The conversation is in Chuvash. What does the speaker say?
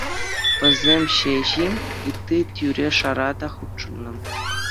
Вӗсем ҫеҫ-и, ытти тӳре-шара та хутшӑннӑ.